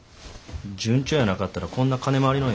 順調やなかったらこんな金回りのええ